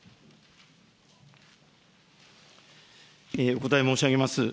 お答え申し上げます。